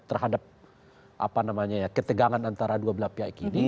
terhadap ketegangan antara dua belah pihak ini